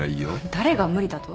誰が無理だと？